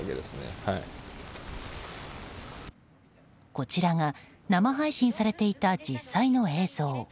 こちらが生配信されていた実際の映像。